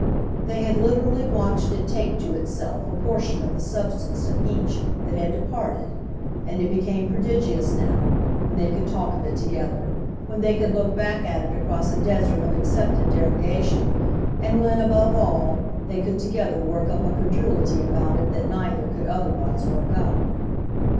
They had literally watched it take to itself a portion of the substance of each that had departed; and it became prodigious now, when they could talk of it together, when they could look back at it across a desert of accepted derogation, and when, above all, they could together work up a credulity about it that neither could otherwise work up.